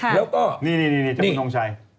แล้วก็นี่เจ้าพี่ทงชัย